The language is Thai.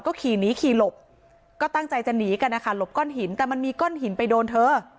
ก็ขี่หนีขี่หลบก็ตั้งใจจะหนีกันนะคะหลบก้อนหินแต่มันมีก้อนหินไปโดนเธอ